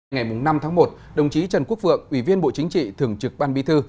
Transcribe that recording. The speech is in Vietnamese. ngày năm tháng một đồng chí trần quốc vượng ủy viên bộ chính trị thường trực ban bi thư